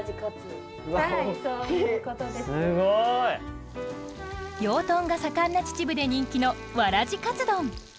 すごい！養豚が盛んな秩父で人気のわらじかつ丼。